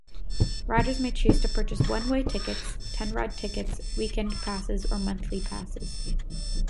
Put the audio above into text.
Riders may choose to purchase one-way tickets, ten-ride tickets, weekend passes or monthly passes.